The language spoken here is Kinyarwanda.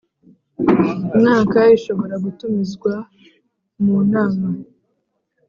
mwaka Ishobora gutumizwa munama